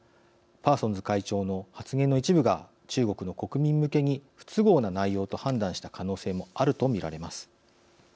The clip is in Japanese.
パーソンズ会長の発言の一部が中国の国民向けに不都合な内容と判断した可能性もあるとみられます。